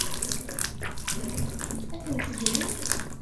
Ad ten-seggmen?